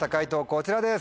こちらです。